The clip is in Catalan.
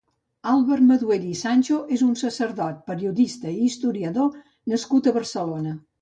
Àlvar Maduell i Sancho és un sacerdot, periodista i historiador nascut a Barcelona.